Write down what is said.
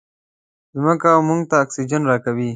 مځکه موږ ته اکسیجن راکوي.